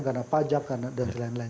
karena pajak dan lain lain